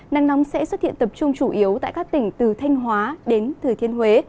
nắng nóng sẽ xuất hiện tập trung chủ yếu tại các tỉnh từ thanh hóa đến thừa thiên huế